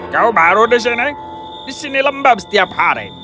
kau baru di sini di sini lembab setiap hari